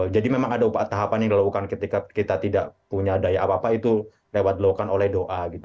jadi memang ada upaya tahapan yang dilakukan ketika kita tidak punya daya apa apa itu lewat dilakukan oleh doa